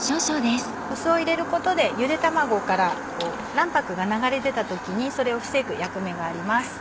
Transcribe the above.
酢を入れることでゆで卵から卵白が流れ出た時にそれを防ぐ役目があります。